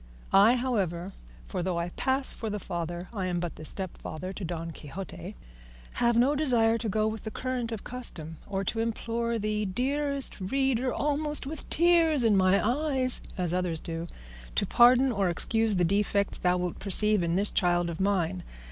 I, however for though I pass for the father, I am but the stepfather to "Don Quixote" have no desire to go with the current of custom, or to implore thee, dearest reader, almost with tears in my eyes, as others do, to pardon or excuse the defects thou wilt perceive in this child of mine.